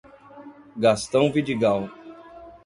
Gastão Vidigal